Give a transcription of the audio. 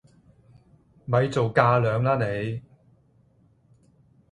咪做架樑啦你！